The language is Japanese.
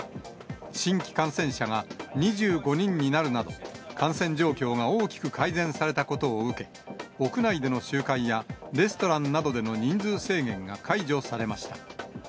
新規感染者が２５人になるなど、感染状況が大きく改善されたことを受け、屋内での集会や、レストランなどでの人数制限が解除されました。